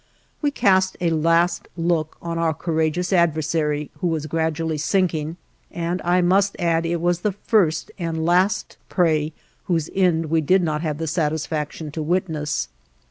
We cast a last look on our courageous adversary who was gradually sinking, and I must add it was the first and last prey whose end we did not have the satisfaction to witness.